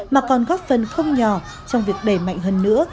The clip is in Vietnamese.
mà còn góp phần không nhỏ trong việc đẩy mạnh hơn nữa